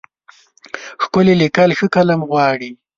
ښکلي لیکل ښه قلم غواړي.